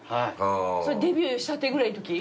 それデビューしたてぐらいのとき？